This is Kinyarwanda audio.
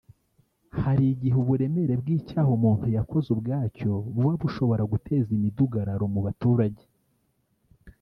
Hari igihe uburemere bw’icyaha umuntu yakoze ubwacyo buba bushobora guteza imidugararo mu baturage